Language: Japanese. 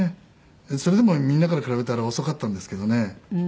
それでもみんなから比べたら遅かったんですけどね。